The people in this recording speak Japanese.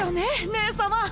姉様！